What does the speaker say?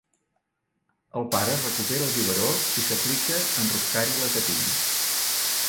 El pare recupera el biberó i s'aplica a enroscar-hi la tetina.